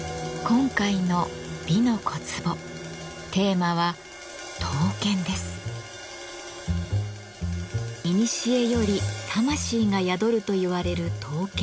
今回の「美の小壺」テーマはいにしえより魂が宿るといわれる刀剣。